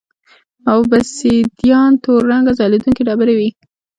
اوبسیدیان تور رنګه ځلېدونکې ډبرې وې